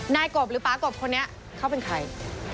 นายกบหรือป๊ากบคนนี้เขาเป็นใคร